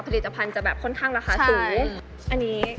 ผลิตภัณฑ์จะแบบค่อนข้างราคาสูง